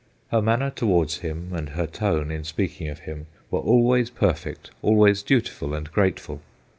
Her manner towards him and her tone in speaking of him were always perfect, always dutiful and grateful.